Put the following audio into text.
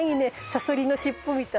サソリの尻尾みたいに。